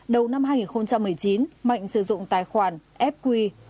đầu năm hai nghìn một mươi chín mạnh sử dụng tài khoản fq hai trăm chín mươi nghìn một trăm linh một